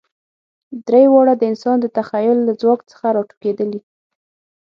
درې واړه د انسان د تخیل له ځواک څخه راټوکېدلي.